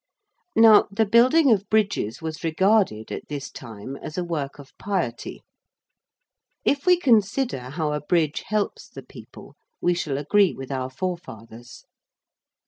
Now the building of bridges was regarded, at this time, as a work of piety. If we consider how a bridge helps the people we shall agree with our forefathers.